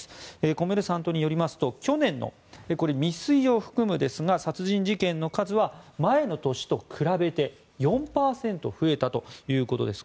コメルサントによりますと去年の、未遂を含むですが殺人事件の数は前の年と比べて４％増えたということです。